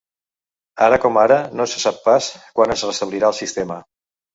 Ara com ara, no se sap pas quan es restablirà el sistema.